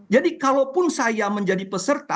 jadi kalaupun saya menjadi peserta